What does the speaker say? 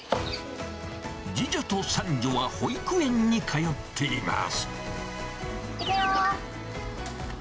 次女と三女は保育園に通っています。